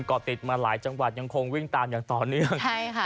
ก็ติดมาหลายจังหวัดยังคงวิ่งตามอย่างต่อเนื่องใช่ค่ะ